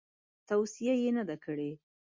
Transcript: توصیه یې نه ده کړې.